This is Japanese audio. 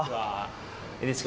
ＮＨＫ